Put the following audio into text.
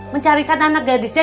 mencarikan anak gadisnya